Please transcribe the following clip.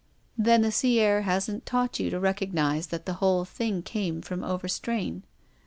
" Then the sea air hasn't taught you to recog nise that the whole thing came from ovrstrain."